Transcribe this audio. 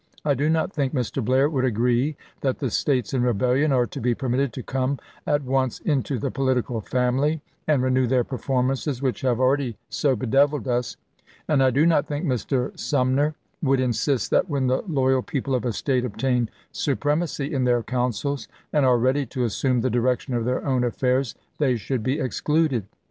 I do not think Mr. Blair would agree that the States in rebellion are to be permitted to come at once into the political family and renew their performances, which have already so bedeviled us, and I do not think Mr. Sumner would insist that when the loyal people of a State obtain supremacy in their councils and are ready to assume the direction of their own affairs they should be excluded.